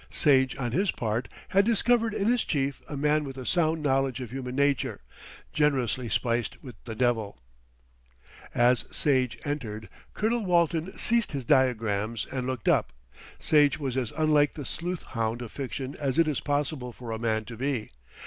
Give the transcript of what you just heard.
Sage, on his part, had discovered in his chief a man with a sound knowledge of human nature, generously spiced with the devil. As Sage entered, Colonel Walton ceased his diagrams and looked up. Sage was as unlike the "sleuth hound" of fiction as it is possible for a man to be.